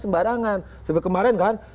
sembarangan seperti kemarin kan